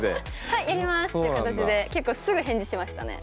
「はいやります」って形で結構すぐ返事しましたね。